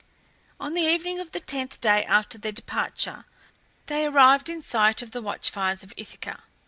On the evening of the tenth day after their departure they arrived in sight of the watch fires of Ithaca.